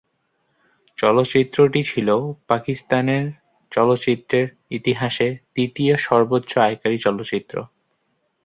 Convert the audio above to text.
চলচ্চিত্রটি ছিলো পাকিস্তানের চলচ্চিত্রের ইতিহাসে তৃতীয় সর্বোচ্চ আয়কারী চলচ্চিত্র।